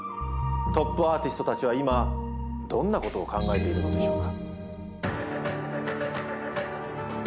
トップアーティストたちは今どんなことを考えているのでしょうか。